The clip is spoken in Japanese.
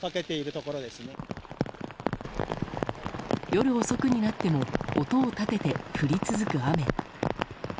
夜遅くになっても音を立てて降り続く雨。